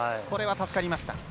これは助かりました。